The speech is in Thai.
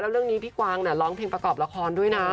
เรื่องนี้พี่กวางร้องเพลงประกอบละครด้วยนะ